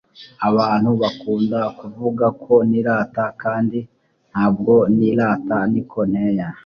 abantu bakunda kuvugako nirata kandi ntabwo ni rata niko nteye